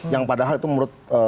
yang padahal itu menurut